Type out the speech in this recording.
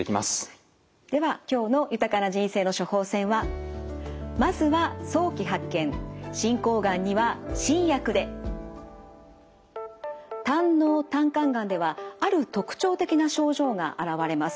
では今日の「豊かな人生の処方せん」は胆のう・胆管がんではある特徴的な症状が現れます。